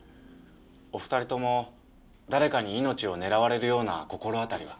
お２人とも誰かに命を狙われるような心当たりは？